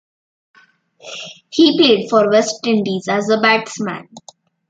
He played for West Indies as a batsman.